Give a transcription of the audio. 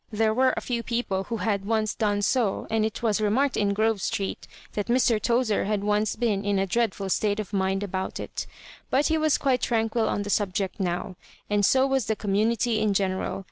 There were a few people who had once done so, and it was re marked in Grove Street that Mr. Tozer had once been in a dreadful state of mind about it But he was quite tranquil on the subject now, and so was the community in general.